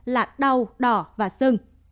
là đau đỏ và sưng